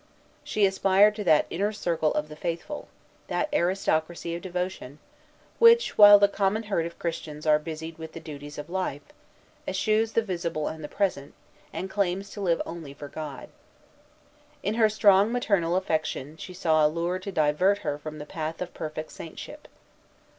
She aspired to that inner circle of the faithful, that aristocracy of devotion, which, while the common herd of Christians are busied with the duties of life, eschews the visible and the present, and claims to live only for God. In her strong maternal affection she saw a lure to divert her from the path of perfect saintship.